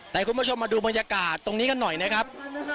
แต่คุณผู้ชมมาดูบรรยากาศตรงนี้กันหน่อยนะครับ